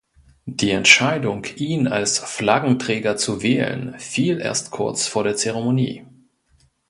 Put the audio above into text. Die Entscheidung ihn als Flaggenträger zu wählen fiel erst kurz vor der Zeremonie.